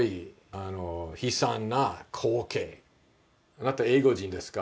「あなた英語人ですか？」